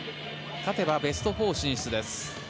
勝てばベスト４進出です。